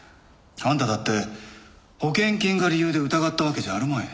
あんただって保険金が理由で疑ったわけじゃあるまい。